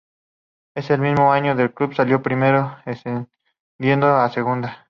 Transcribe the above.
Ese mismo año el club salió primero ascendiendo a Segunda.